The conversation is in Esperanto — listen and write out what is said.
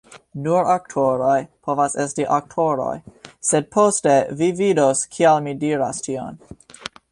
"Nur aktoroj povas esti aktoroj." sed poste, vi vidos kial mi diras tion.